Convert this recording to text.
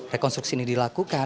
rekonstruksi ini dilakukan